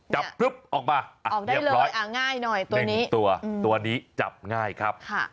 จับออกมาออกได้เลยง่ายหน่อยตัวนี้จับง่ายครับ